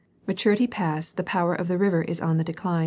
Maturity past, and the power of the river is on the decay.